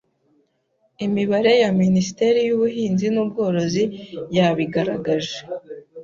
imibare ya Minisiteri y’Ubuhinzi n’Ubworozi yabigaragaje